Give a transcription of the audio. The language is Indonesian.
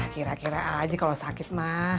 kira kira aja kalau sakit mah